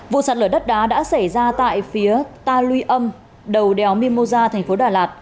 vụ sạt lở đất đá đã xảy ra tại phía ta luy âm đầu đèo mimosa thành phố đà lạt